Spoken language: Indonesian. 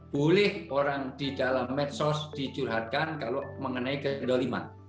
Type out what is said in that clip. boleh orang di dalam medsos dicurhatkan kalau mengenai kendoliman